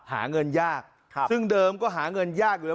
หาเงินยากซึ่งเดิมก็หาเงินยากอยู่แล้ว